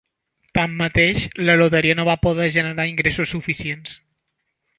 Tanmateix, la loteria no va poder generar ingressos suficients.